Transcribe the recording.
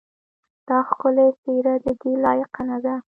دا ښکلې څېره ددې لایقه نه ده.